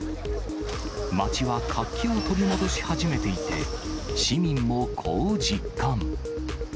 街は活気を取り戻し始めていて、市民もこう実感。